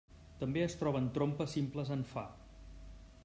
També es troben trompes simples en Fa.